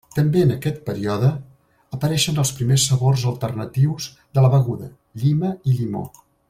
També en aquest període apareixen els primers sabors alternatius de la beguda, llima i llimó.